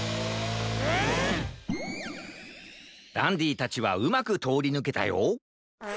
ダンディたちはうまくとおりぬけたよ。